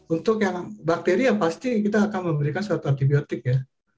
untuk yang bakteri ya pasti kita akan memberikan suatu antibiotik ya